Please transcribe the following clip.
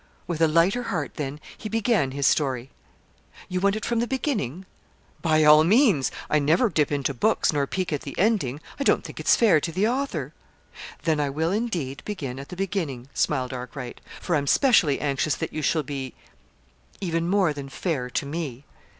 With a lighter heart, then, he began his story. "You want it from the beginning?" "By all means! I never dip into books, nor peek at the ending. I don't think it's fair to the author." "Then I will, indeed, begin at the beginning," smiled Arkwright, "for I'm specially anxious that you shall be even more than 'fair' to me."